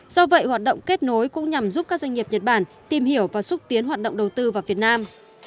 do vậy hoạt động kết nối cũng nhằm giúp các doanh nghiệp nhật bản tìm hiểu và xúc tiến hoạt động đầu tư vào việt nam